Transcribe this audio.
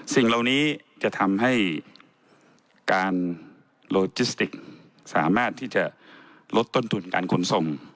สิ่งเหล่านี้จะทำให้การโลจิสติกสามารถที่จะลดต้นทุนการขนส่ง